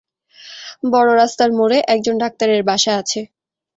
বড় রাস্তার মোড়ে একজন ডাক্তারের বাসা আছে।